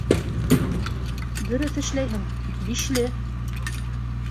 —Дөрөҫ эшләйһең, Бишле!